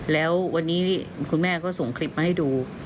แล้ววันนี้คุณแม่ก็ส่งคลิปมาให้ดู